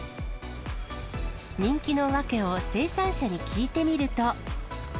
人気の訳を、生産者に聞いてみると。